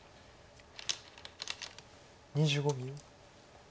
２５秒。